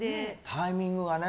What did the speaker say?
タイミングはね。